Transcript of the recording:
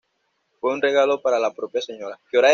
Fue un regalo para la propia señora Kendall.